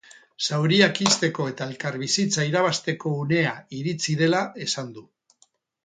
Zauriak ixteko eta elkarbizitza irabazteko unea iritsi dela esan du.